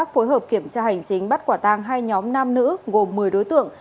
phối hợp kiểm tra hành chính bắt quả tang hai nhóm nam nữ gồm một mươi đối tượng